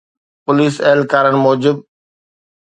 police اهلڪارن موجب